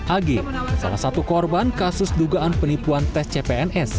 ag salah satu korban kasus dugaan penipuan tes cpns